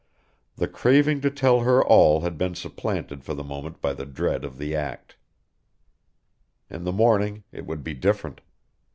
The craving to tell her all had been supplanted for the moment by the dread of the act. In the morning it would be different.